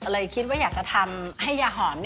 เลยคิดว่าอยากจะทำให้ยาหอม